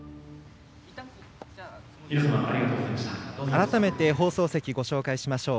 改めて放送席をご紹介しましょう。